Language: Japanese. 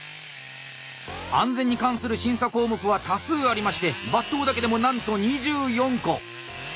安全に関する審査項目は多数ありまして「伐倒」だけでもなんと２４個。